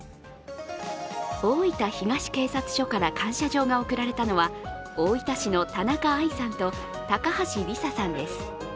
大分東警察署から感謝状が贈られたのは大分市の田仲亜衣さんと高橋梨紗さんです。